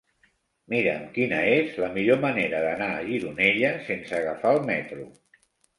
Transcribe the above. Mira'm quina és la millor manera d'anar a Gironella sense agafar el metro.